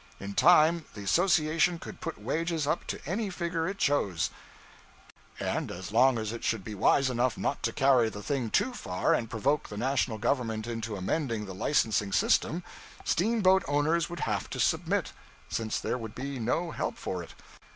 In time, the association could put wages up to any figure it chose; and as long as it should be wise enough not to carry the thing too far and provoke the national government into amending the licensing system, steamboat owners would have to submit, since there would be no help for it.